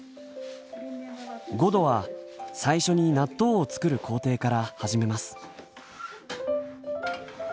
ごどは最初に納豆を作る工程から始めます。